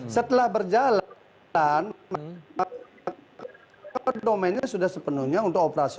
setelah berjalan domainnya sudah sepenuhnya untuk operasi